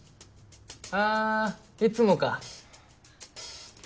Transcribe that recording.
あぁいつもか。